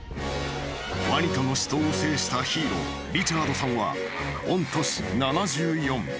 ［ワニとの死闘を制したヒーローリチャードさんは御年７４］